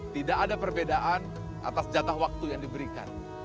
tidak ada perbedaan atas jatah waktu yang diberikan